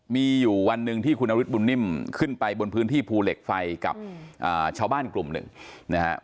มีอยู่วันหนึ่งที่คุณนฤทธบุญนิ่มขึ้นไปบนพื้นที่ภูเหล็กไฟกับชาวบ้านกลุ่มหนึ่งนะครับ